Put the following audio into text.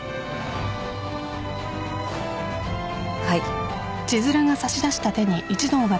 はい。